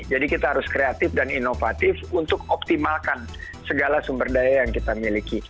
jadi kita harus kreatif dan inovatif untuk optimalkan segala sumber daya yang kita miliki